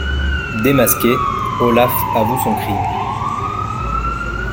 Démasqué, Olaf avoue son crime.